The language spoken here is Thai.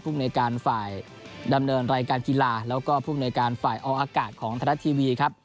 ในการฝ่ายดำเนินรายการกีฬาแล้วก็ภูมิในการฝ่ายออกอากาศของไทยรัฐทีวีครับ